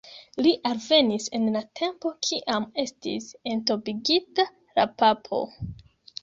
Li alvenis en la tempo, kiam estis entombigita la papo.